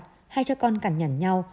hai cha con cằn nhằn nhau